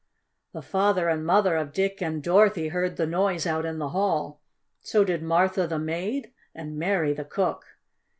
The father and mother of Dick and Dorothy heard the noise out in the hall. So did Martha, the maid, and Mary, the cook.